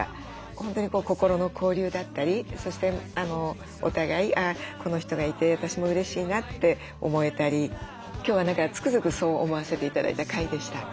本当に心の交流だったりそしてお互いこの人がいて私もうれしいなって思えたり今日は何かつくづくそう思わせて頂いた回でした。